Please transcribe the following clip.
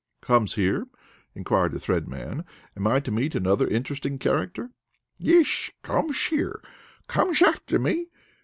"Comes here?" inquired the Thread Man. "Am I to meet another interesting character?" "Yesh, comesh here. Comesh after me.